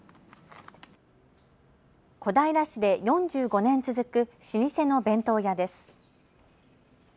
小平市で４５年続く老舗の弁当屋です。